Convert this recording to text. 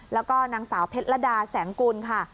แล้วก็นางสาวเพชรระดาแสงกูล